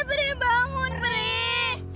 peri jangan tinggalin aku